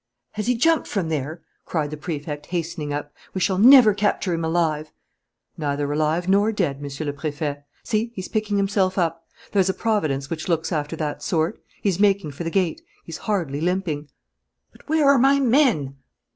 "Has he jumped from there?" cried the Prefect, hastening up. "We shall never capture him alive!" "Neither alive nor dead, Monsieur le Préfet. See, he's picking himself up. There's a providence which looks after that sort. He's making for the gate. He's hardly limping." "But where are my men?"